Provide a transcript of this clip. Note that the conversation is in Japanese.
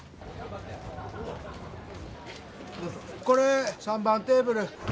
これ３番テーブル。